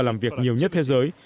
làm việc nhiều nhất thế giới